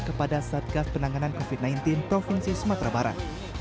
kepada satgas penanganan covid sembilan belas provinsi sumatera barat